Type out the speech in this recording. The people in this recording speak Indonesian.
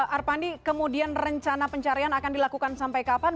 arpandi kemudian rencana pencarian akan dilakukan sampai kapan